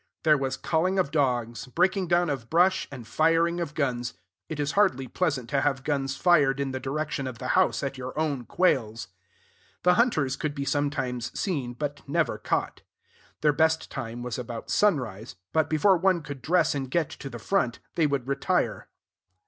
There was calling of dogs, breaking down of brush, and firing of guns. It is hardly pleasant to have guns fired in the direction of the house, at your own quails. The hunters could be sometimes seen, but never caught. Their best time was about sunrise; but, before one could dress and get to the front, they would retire.